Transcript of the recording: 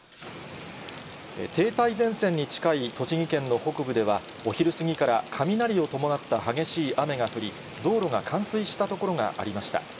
停滞前線に近い栃木県の北部では、お昼過ぎから雷を伴った激しい雨が降り、道路が冠水した所がありました。